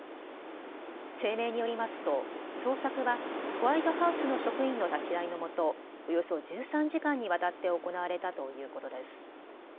声明によりますと捜索はホワイトハウスの職員の立ち会いのもとおよそ１３時間にわたって行われたということです。